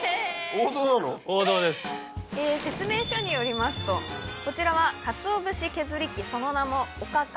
説明書によりますとこちらはカツオ節削り器その名もオカカ。